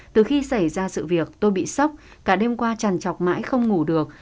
từ khi xảy ra sự việc tôi bị sốc cả đêm qua chàn chọc mãi không ngủ được